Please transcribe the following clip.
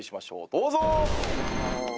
どうぞ！